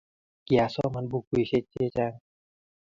kiasoman bukuishe chechang